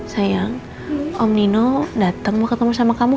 sayang om nino datang mau ketemu sama kamu